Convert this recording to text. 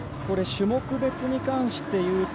種目別に関して言うと。